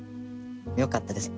よかったです。